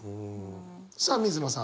さあ水野さん